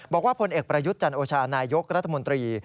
พลเอกประยุทธ์จันโอชานายกรัฐมนตรี